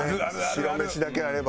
白飯だけあれば。